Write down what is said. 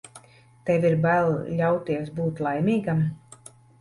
Tev ir bail ļauties būt laimīgam.